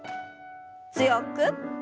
強く。